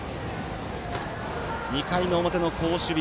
２回の表の好守備。